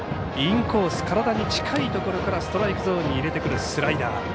インコース体に近いところからストライクゾーンに入れてくるスライダー。